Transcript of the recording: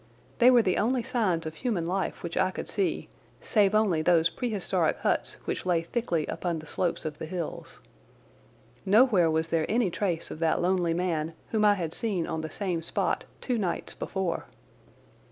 They were the only signs of human life which I could see, save only those prehistoric huts which lay thickly upon the slopes of the hills. Nowhere was there any trace of that lonely man whom I had seen on the same spot two nights before.